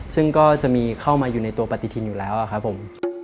ซึ่งก็จะมีเข้ามาอยู่ในตัวปฏิทินอยู่แล้วครับผม